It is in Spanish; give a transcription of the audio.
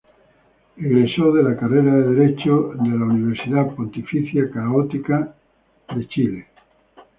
Egresó de la carrera de Derecho de la Pontificia Universidad Católica de Chile.